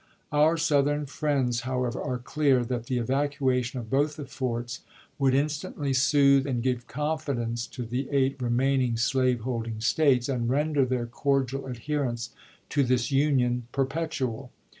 Our South ern friends, however, are clear that the evacuation of both the forts would instantly soothe and give confidence to the eight remaining slave holding States, and render their cordial adherence to this Union perpetual.